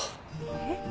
えっ？